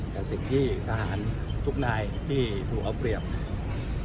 แต่สิ่งที่ทหารทุกนายที่ถูกเอาเปรียบ